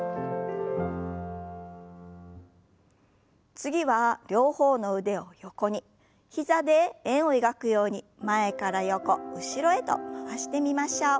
次は両方の腕を横に膝で円を描くように前から横後ろへと回してみましょう。